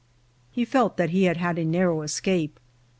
He felt that he had a narrow escape.